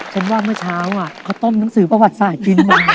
ฉันว่าเมื่อเช้าเขาต้มหนังสือประวัติศาสตร์กินมา